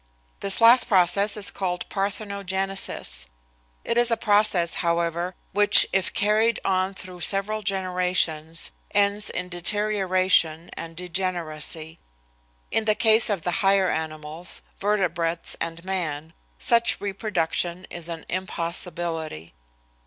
This last process is called parthenogenesis. It is a process, however, which if carried on through several generations, ends in deterioration and degeneracy. In the case of the higher animals, vertebrates and man, such reproduction is an impossibility.